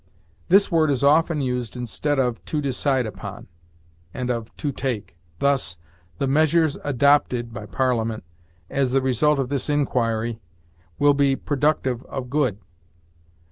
This word is often used instead of to decide upon, and of to take; thus, "The measures adopted [by Parliament], as the result of this inquiry, will be productive of good."